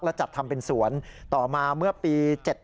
และจัดทำเป็นสวนต่อมาเมื่อปี๗๗